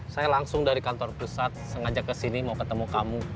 saya langsung dari kantor pusat sengaja kesini mau ketemu kamu